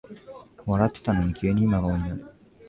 笑ってたのに急に真顔になる